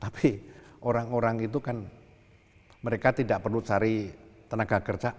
tapi orang orang itu kan mereka tidak perlu cari tenaga kerja